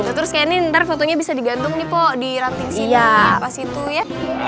gitu terus kayaknya ini ntar fotonya bisa digantung nih po di ranting sini pas itu ya